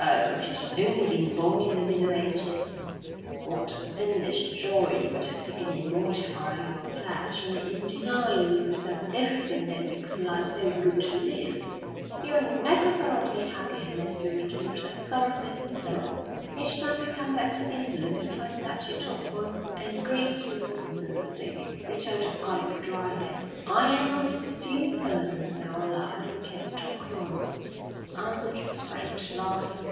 Oh, if you'd only been born in the Middle Ages, what a fiendish joy you would have taken in mortifying your flesh, and in denying yourself everything that makes life so good to live! You're never thoroughly happy unless you're making yourself thoroughly miserable.' 'Each time I come back to England I find that you talk more and greater nonsense, Dick,' returned Alec drily. 'I'm one of the few persons now alive who can talk nonsense,' answered his friend, laughing.